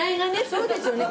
そうですよね。